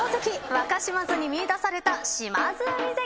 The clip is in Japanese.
若嶋津に見いだされた島津海関。